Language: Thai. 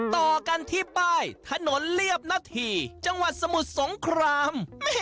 ต่อกันที่ป้ายถนนเรียบนาทีจังหวัดสมุทรสงคราม